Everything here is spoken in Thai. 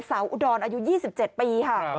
อุดรอายุ๒๗ปีค่ะ